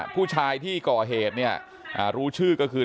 ผู้ชายที่ก่อเหตุเนี่ยรู้ชื่อก็คือ